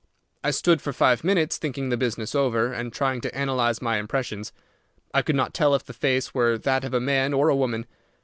I stood for five minutes thinking the business over, and trying to analyze my impressions. I could not tell if the face were that of a man or a woman.